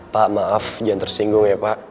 pak maaf jangan tersinggung ya pak